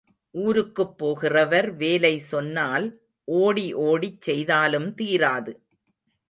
ஊருக்குப் போகிறவர் வேலை சொன்னால் ஓடி ஓடிச் செய்தாலும் தீராது.